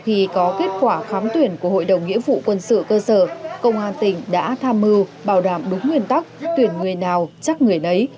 khi có kết quả khám tuyển của hội đồng nghĩa vụ quân sự cơ sở công an tỉnh đã tham mưu bảo đảm đúng nguyên tắc tuyển người nào chắc người nấy